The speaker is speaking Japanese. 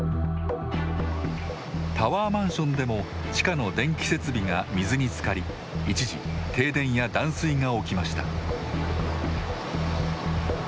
タワーマンションでも地下の電気設備が水につかり一時、停電や断水が起きました。